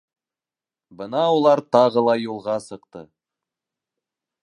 Бына улар тағы ла юлға сыҡты.